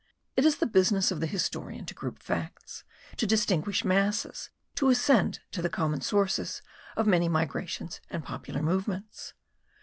It is the business of the historian to group facts, to distinguish masses, to ascend to the common sources of many migrations and popular movements.